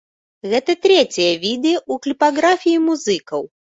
Гэта трэцяе відэа ў кліпаграфіі музыкаў.